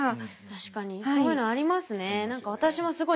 確かにそういうのありますね。